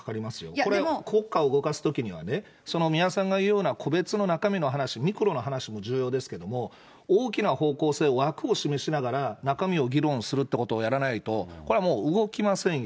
これ、国家を動かすときには、その三輪さんが言うような個別の中身の話、ミクロの話も重要ですけれども、大きな方向性を枠を示しながら、中身を議論するっていうことをやらないと、これはもう、動きませんよ。